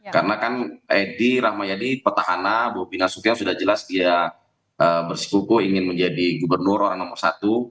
karena kan edi ramajadi petahana bobina sukyo sudah jelas dia bersikupu ingin menjadi gubernur orang nomor satu